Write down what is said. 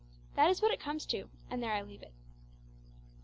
That is what it comes to, and there I leave it.